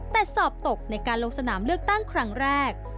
แต่สอบตกในการลงสนามเลือกตั้งครั้งแรก